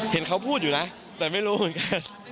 เห็นเขาพูดอยู่นะแต่ไม่รู้เหมือนกัน